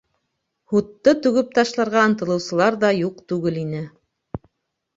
Һутты түгеп ташларға ынтылыусылар ҙа юҡ түгел ине.